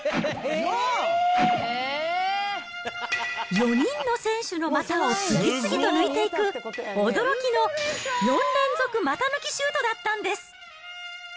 ４人の選手の股を次々と抜いていく、驚きの４連続股抜きシュートだったんです。